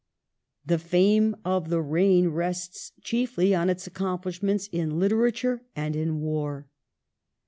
The fame of the reign rests chiefly on its accomplishments in literature and in war.